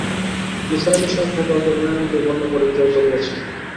নিসার আলি সাহেব তাকে অল্পদিনের মধ্যেই বর্ণ পরিচয় করিয়েছেন।